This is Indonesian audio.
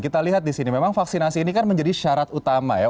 kita lihat di sini memang vaksinasi ini kan menjadi syarat utama ya